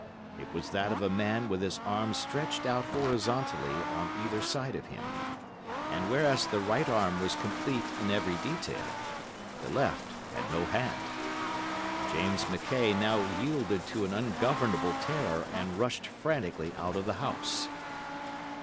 It was that of a man with his arms stretched out horizontally on either side of him, and whereas the right arm was complete in every detail, the left had no hand. James McKaye now yielded to an ungovernable terror and rushed frantically out of the house.